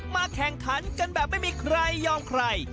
แข่งขันกันแบบไม่มีใครยอมใคร